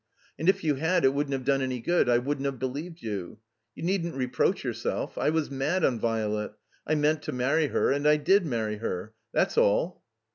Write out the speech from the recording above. And if you had it wouldn't have done any good, I wouldn't have believed you. You needn't reproach yourself. I was mad on Virelet. I meant to marry her and I did marry her. That's all."